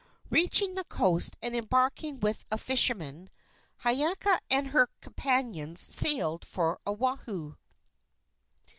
Reaching the coast and embarking with a fisherman, Hiiaka and her companions sailed for Oahu.